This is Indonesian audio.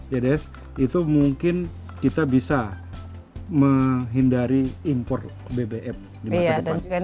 ya des itu mungkin kita bisa menghindari impor bbm di masa depan